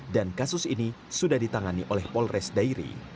dan kasus ini sudah ditangani oleh polres dairi